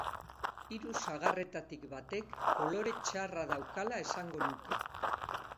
Hiru sagarretatik batek kolore txarra daukala esango nuke.